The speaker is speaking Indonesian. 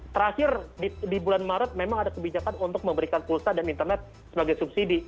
terakhir di bulan maret memang ada kebijakan untuk memberikan pulsa dan internet sebagai subsidi